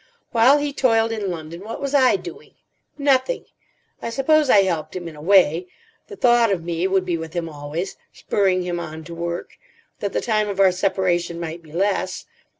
While he toiled in London, what was I doing? Nothing. I suppose I helped him in a way. The thought of me would be with him always, spurring him on to work, that the time of our separation might be less.